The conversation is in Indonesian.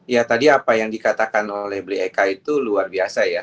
ya tadi apa yang dikatakan oleh belieka itu luar biasa ya